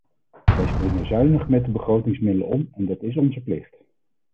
Wij springen zuinig met de begrotingsmiddelen om en dat is onze plicht.